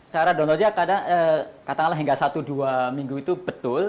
cara downloadnya katakanlah hingga satu dua minggu itu betul